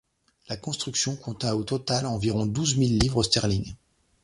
La construction coûta au total environ douze mille livres Sterling.